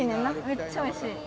めっちゃおいしい。